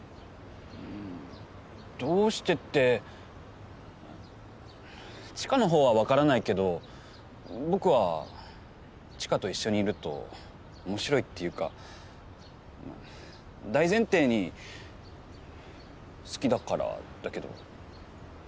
うんどうしてって知花の方は分からないけど僕は知花と一緒にいると面白いっていうか大前提に好きだからだけど。